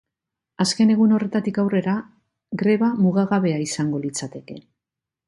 Azken egun horretatik aurrera greba mugagabea izango litzateke.